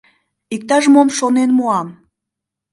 Иктаж-мом шонен муам!